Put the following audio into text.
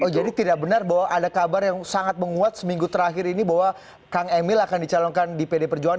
jadi tidak benar bahwa ada kabar yang sangat menguat seminggu terakhir ini bahwa kang emil akan dicalonkan di pdi perjuangan